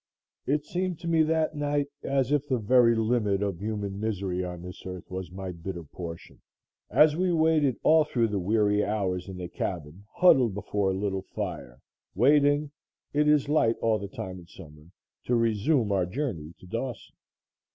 It seemed to me that night as if the very limit of human misery on this earth was my bitter portion as we waited all through the weary hours in the cabin huddled before a little fire, waiting (it is light all the time in summer) to resume our journey to Dawson.